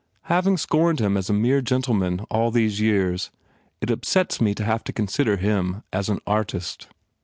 Having scorned him as a mere gentleman all these years it upsets me to have to consider him as an artist.